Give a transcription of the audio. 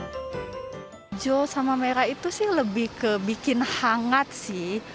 hijau sama merah itu sih lebih ke bikin hangat sih